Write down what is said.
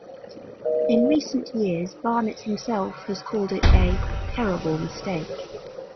In recent years, Barnett himself has called it a "terrible mistake".